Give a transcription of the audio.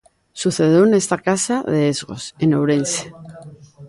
Sucedeu nesta casa de Esgos, en Ourense.